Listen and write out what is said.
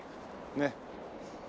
ねっ。